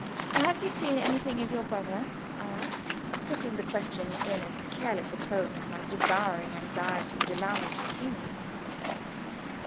"Have you seen anything of your brother?" I asked, putting the question in as careless a tone as my devouring anxiety would allow me to assume.